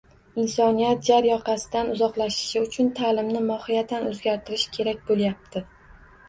Insoniyat jar yoqasidan uzoqlashishi uchun ta’limni mohiyatan o‘zgartirish kerak bo‘lyapti.